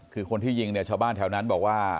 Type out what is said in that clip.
คือคนที่ยิงเนี่ยชาวบ้านแถวนั้นบอกว่า